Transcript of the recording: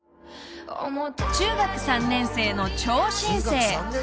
［中学３年生の超新星。